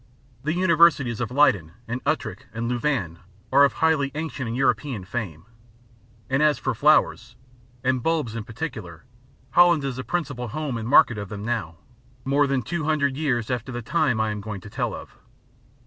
The universities of Leyden and Utrecht and Louvain are of highly an ancient European fame. And as for flowers, and bulbs in particular, Holland is a principal home and market of them now, more than two hundred years after the time I am going to tell of.